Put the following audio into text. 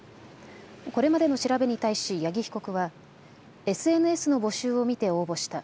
これまでの調べに対し八木被告はＳＮＳの募集を見て応募した。